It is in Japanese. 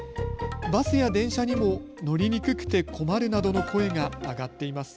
バスや電車にも乗りにくくて困るなどの声が上がっています。